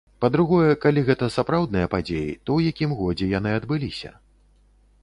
Па-другое, калі гэта сапраўдныя падзеі, то ў якім годзе яны адбыліся.